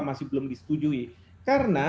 masih belum disetujui karena